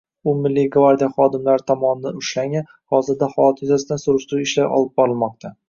U Milliy gavrdiya xodimlari tomonidan ushlangan, hozirda holat yuzasidan surishtiruv ishlari olib borilmoqda